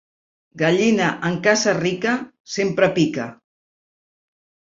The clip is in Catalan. Gallina en casa rica sempre pica.